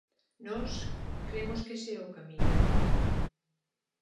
Nós cremos que ese é o camiño.